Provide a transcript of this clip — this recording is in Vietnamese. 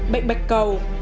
một bệnh bạch cầu